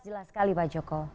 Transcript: jelas sekali pak joko